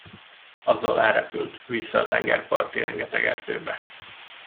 Azzal elrepült, vissza a tengerparti rengeteg erdőbe.